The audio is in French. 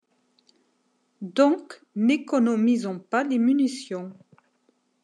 Donc, n’économisons pas les munitions